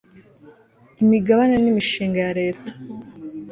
imigabane n imishinga ya leta